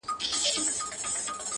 خدایه هغه مه اخلې زما تر جنازې پوري.